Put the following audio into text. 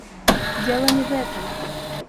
Дело не в этом.